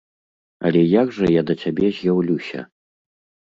Але як жа я да цябе з'яўлюся?